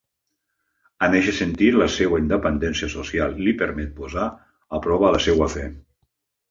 En eixe sentit, la seua interdependència social li permet posar a prova la seua fe.